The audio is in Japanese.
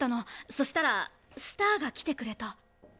そしたらスターが来てくれた。